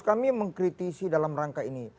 kami mengkritisi dalam rangka ini